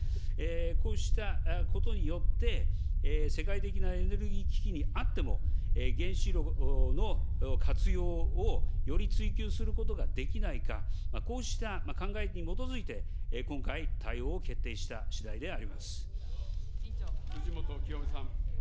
こうしたことによって、世界的なエネルギー危機にあっても、原子炉の活用をより追求することができないか、こうした考えに基づいて、今回、辻元清美さん。